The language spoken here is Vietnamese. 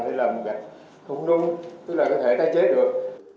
hay là không nung tức là có thể tái chế được